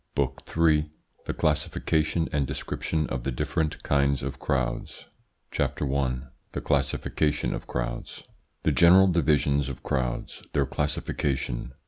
BOOK III THE CLASSIFICATION AND DESCRIPTION OF THE DIFFERENT KINDS OF CROWDS CHAPTER I THE CLASSIFICATION OF CROWDS The general divisions of crowds Their classification.